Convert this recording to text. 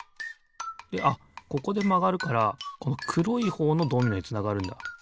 であっここでまがるからこのくろいほうのドミノにつながるんだ。